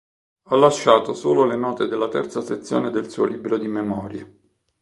Ha lasciato solo le note della terza sezione del suo libro di memorie.